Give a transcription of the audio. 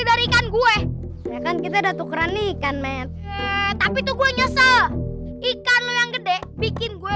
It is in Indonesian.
cari kan gue kan kita ada tukeran ikan men tapi tuh gue nyesel ikan yang gede bikin gue